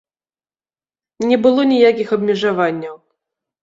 Не было ніякіх абмежаванняў.